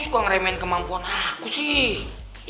gue ngeremehin kemampuan aku sih